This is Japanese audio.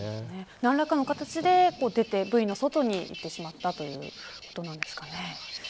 何らかの形でブイの外に行ってしまったということなんですかね。